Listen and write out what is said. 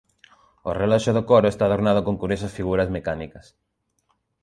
O reloxo do coro está adornado con curiosas figuras mecánicas.